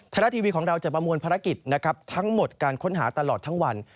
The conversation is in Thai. รัฐทีวีของเราจะประมวลภารกิจนะครับทั้งหมดการค้นหาตลอดทั้งวัน